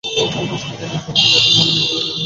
তিনি পলিস হাইভার সম্পাদকীয় ম্যাগাজিনেও অংশ নিয়েছিলেন।